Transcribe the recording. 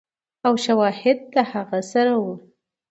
او شواهد د هغه سره ؤ